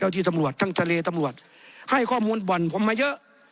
ที่ตำรวจทั้งทะเลตำรวจให้ข้อมูลบ่อนผมมาเยอะ